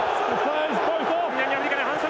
南アフリカに反則。